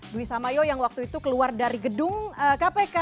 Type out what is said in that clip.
dwi samayo yang waktu itu keluar dari gedung kpk